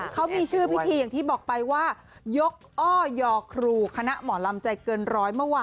เขามีชื่อพิธีอย่างที่บอกไปว่ายกอ้อยอครูคณะหมอลำใจเกินร้อยเมื่อวาน